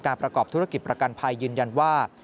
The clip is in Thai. ประกอบธุรกิจประกันภัยยืนยันว่า